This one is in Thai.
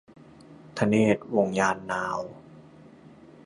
ธเนศ วงศ์ยานนาว